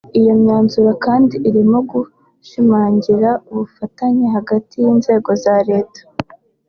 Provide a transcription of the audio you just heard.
Iyo myanzuro kandi irimo ‘gushimangira ubufatanye hagati y’Inzego za Leta